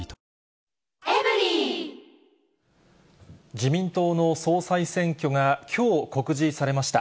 自民党の総裁選挙がきょう告示されました。